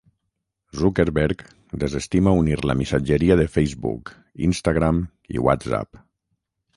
Zuckerberg desestima unir la missatgeria de Facebook, Instagram i WhatsApp,